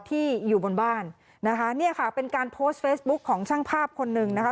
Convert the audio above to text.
ที่อยู่บนบ้านนะคะเนี่ยค่ะเป็นการโพสต์เฟซบุ๊คของช่างภาพคนหนึ่งนะคะ